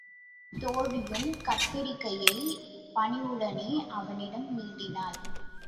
தோழியும் கத்தரிகையைப் பணிவுடனே அவனிடம் நீட்டினாள்.